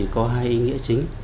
có hai ý nghĩa